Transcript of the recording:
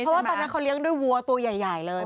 เพราะว่าตอนนั้นเขาเลี้ยงด้วยวัวตัวใหญ่เลย